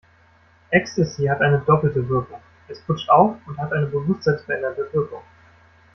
Ecstasy hat eine doppelte Wirkung: Es putscht auf und hat eine bewusstseinsverändernde Wirkung.